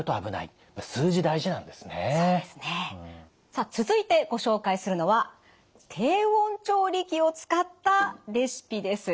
さあ続いてご紹介するのは低温調理器を使ったレシピです。